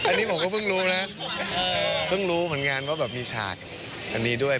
อันนี้ผมก็เพิ่งรู้นะเพิ่งรู้เหมือนกันว่าแบบมีฉากอันนี้ด้วย